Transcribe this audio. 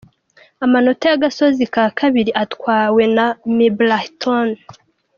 Amanota y’agasozi ka kabiri atwawe na Mebrahtom.